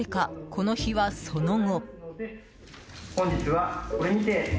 この日は、その後。